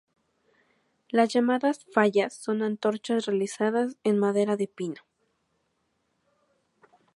Las llamadas "fallas" son antorchas realizadas en madera de pino.